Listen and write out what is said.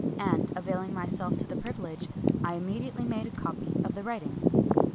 And, availing myself of the privilege, I immediately made a copy of the writing.